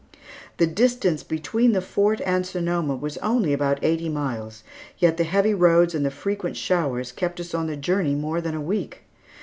The distance between the Fort and Sonoma was only about eighty miles, yet the heavy roads and the frequent showers kept us on the journey more than a week.